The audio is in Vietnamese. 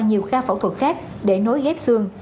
nhiều ca phẫu thuật khác để nối ghép xương